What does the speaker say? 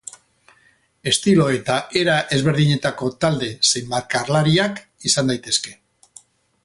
Estilo eta era ezberdinetako talde zein bakarlariak izan daitezke.